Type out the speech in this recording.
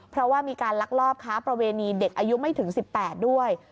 เพราะว่ามีการลักลอบค้าประเวณีเด็กอายุไม่ถึง๑๘ด้วย